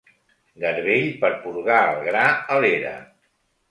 Garbell per porgar el gra a l'era.